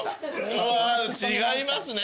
うわ違いますね